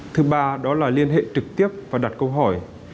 thứ ba đó là liên hệ trực tiếp và đặt câu hỏi